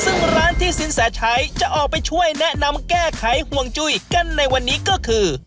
ซึ่งร้านที่สินแสชัยจะออกไปช่วยแนะนำแก้ไขห่วงจุ้ยกันในวันนี้ก็คือ